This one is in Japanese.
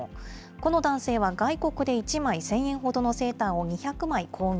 この男性は外国で１枚１０００円ほどのセーターを２００枚購入。